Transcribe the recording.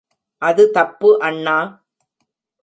அது தப்பு அண்ணா!